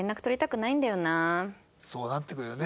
そうなってくるよね。